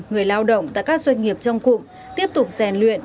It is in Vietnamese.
người lao động tại các doanh nghiệp trong cụm tiếp tục rèn luyện